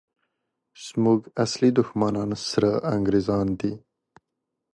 زموږ اصلي دښمنان سره انګریزان دي!